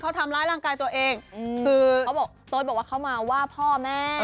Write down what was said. เขาทำร้ายร่างกายตัวเองคือเขาบอกโต๊ดบอกว่าเขามาว่าพ่อแม่